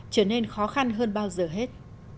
trở nên khó khăn hơn bao giờ hết